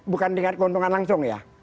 bukan dengan keuntungan langsung ya